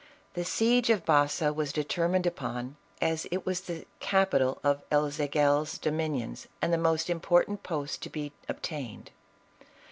The siege of Baza was determined upon, as it was the capital of El Zagel's dominions, and the most im portant post to be obtained.